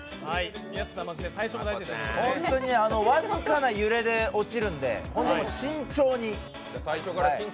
本当に僅かな揺れで落ちるんで、慎重に。